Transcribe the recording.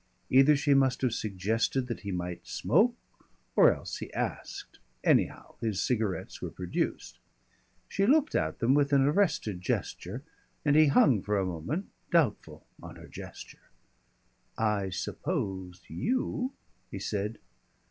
Either she must have suggested that he might smoke or else he asked. Anyhow, his cigarettes were produced. She looked at them with an arrested gesture, and he hung for a moment, doubtful, on her gesture. "I suppose you " he said.